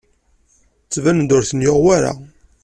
Ttbanen-d ur ten-yuɣ wara.